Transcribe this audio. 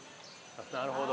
なるほど。